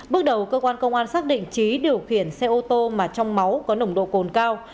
bước đầu cơ quan công an xác định trí điều khiển xe ô tô mà trong máu có nồng độ cồn cao